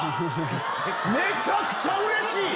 めちゃくちゃうれしい！